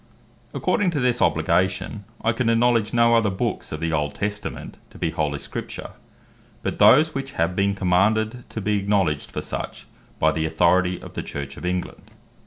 According to this obligation, I can acknowledge no other Books of the Old Testament, to be Holy Scripture, but those which have been commanded to be acknowledged for such, by the Authority of the Church of England.